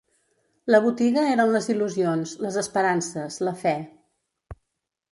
La botiga eren les il·lusions, les esperances, la fe